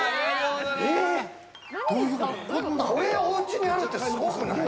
これ、おうちにあるってすごくない？